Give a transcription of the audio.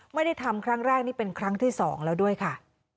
ไม่ได้ทำครั้งแรกนี่เป็นครั้งที่๒แล้วด้วยค่ะ